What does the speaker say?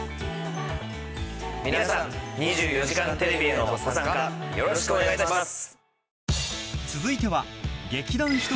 皆さん『２４時間テレビ』へのご参加よろしくお願いいたします。